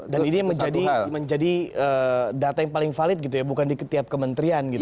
dan ini menjadi data yang paling valid gitu ya bukan di setiap kementerian gitu ya